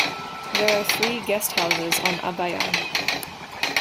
There are three guesthouses on Abaiang.